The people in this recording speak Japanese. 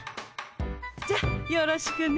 じゃあよろしくね。